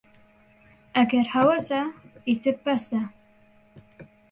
ئەگە هەوەسە، ئیتر بەسە